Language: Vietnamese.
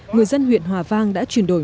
người dân huyện hòa vang đã chuyển đổi